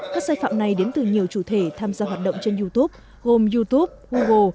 các sai phạm này đến từ nhiều chủ thể tham gia hoạt động trên youtube gồm youtube google